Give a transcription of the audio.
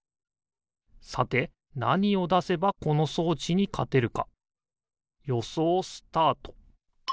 さてなにをだせばこのそうちにかてるかよそうスタート！